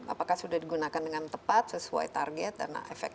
apakah sudah digunakan dengan tepat sesuai target dan efek